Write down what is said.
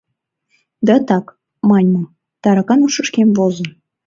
— Да так, — маньым, — таракан ушышкем возын.